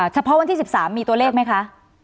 เฉพาะวันที่๑๓มีตัวเลขไหมคะ